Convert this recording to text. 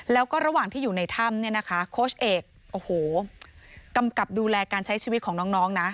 แล้วก็ระหว่างที่อยู่ในถ้ำเนี่ยนะคะโค้ชเอกโอ้โหกำกับดูแลการใช้ชีวิตของน้องนะ